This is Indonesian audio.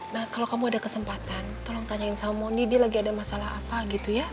nah kalau kamu ada kesempatan tolong tanyain sama mony dia lagi ada masalah apa gitu ya